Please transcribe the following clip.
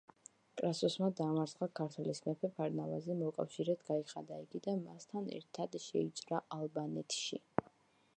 კრასუსმა დაამარცხა ქართლის მეფე ფარნავაზი, მოკავშირედ გაიხადა იგი და მასთან ერთად შეიჭრა ალბანეთში.